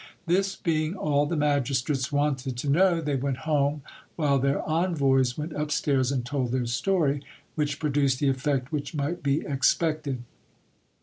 This being all the magistrates wanted to know, they went home, while their envoys went upstairs and told their story, which produced the effect which might be expected.